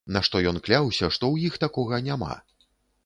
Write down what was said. На што ён кляўся, што ў іх такога няма.